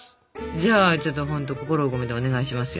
じゃあちょっとほんと心を込めてお願いしますよ。